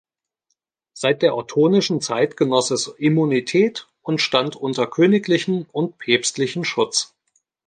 Seit der ottonischen Zeit genoss es Immunität und stand unter königlichem und päpstlichem Schutz.